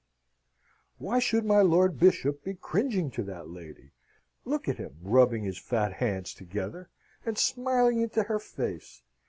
Why should my Lord Bishop be cringing to that lady? Look at him rubbing his fat hands together, and smiling into her face!